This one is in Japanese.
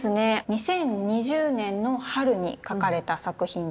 ２０２０年の春に描かれた作品です。